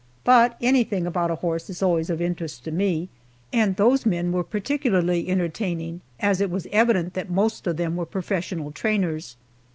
But anything about a horse is always of interest to me, and those men were particularly entertaining, as it was evident that most of them were professional trainers.